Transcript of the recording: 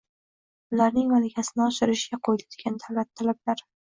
ularning malakasini oshirishga qo`yiladigan davlat talablari